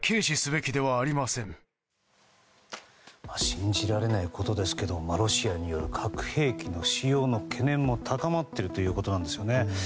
信じられないことですけどロシアによる核兵器の使用の懸念も高まっているということなんですよね。